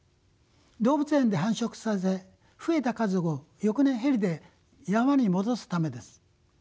動物園で繁殖させ増えた家族を翌年ヘリで山に戻すためです。